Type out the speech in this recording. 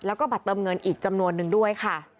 แล้วก็บัตรเติมเงินอีกจำนวนนึงด้วยค่ะ